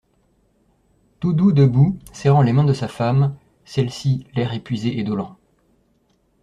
Toudoux debout, serrant les mains de sa femme ; celle-ci, l’air épuisé et dolent.